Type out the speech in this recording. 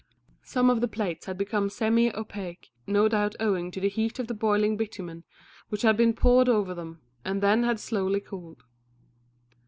Some of the plates had become semi opaque, no doubt owing to the heat of the boiling bitumen which had been poured over them, and then had slowly cooled.